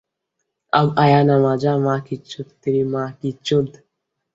Petra নগরী মূলত একটি অত্যন্ত সুরক্ষিত দুর্গ ছিল।